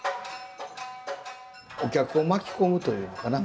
お客を巻き込むというのかな